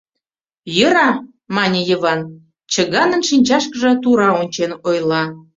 — Йӧра! — мане Йыван, чыганын шинчашкыже тура ончен ойла.